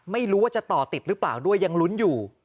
ไม่รู้ว่าจะต่อติดหรือเปล่าด้วยยังลุ้นอยู่